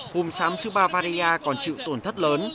hùng sám sứ ba varia còn chịu tổn thất lớn